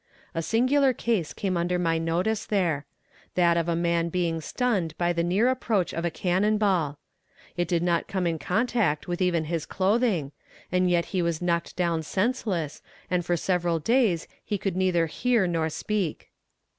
A singular case came under my notice there: that of a man being stunned by the near approach of a cannon ball. It did not come in contact with even his clothing, and yet he was knocked down senseless, and for several days he could neither hear nor speak.